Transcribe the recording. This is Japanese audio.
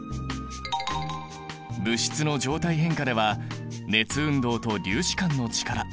物質の状態変化では熱運動と粒子間の力